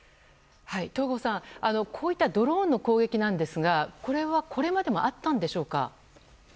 東郷さん、こういったドローンの攻撃ですがこれはこれまでもあったんでしょうか？